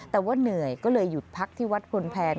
แต่ว่าเหนื่อยก็เลยหยุดพักที่วัดพลแพง